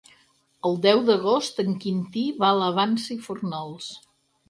El deu d'agost en Quintí va a la Vansa i Fórnols.